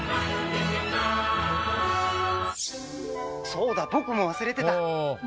「そうだ僕も忘れてた」